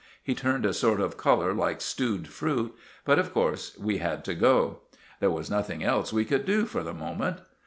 He turned a sort of colour like stewed fruit; but, of course, we had to go. There was nothing else we could do—for the moment.